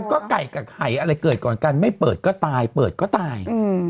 ก็ไขฉันอะไรก่อนกันไม่เปิดก็ตายเปิดก็ตาย